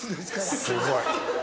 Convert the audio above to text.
すごい。